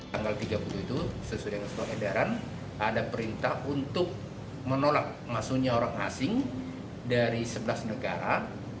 tanggal tiga puluh itu sesuai dengan surat edaran ada perintah untuk menolak masuknya orang asing dari sebelas negara